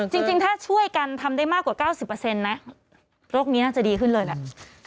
จริงถ้าช่วยกันทำได้มากกว่า๙๐นะโรคนี้น่าจะดีขึ้นเลยแหละ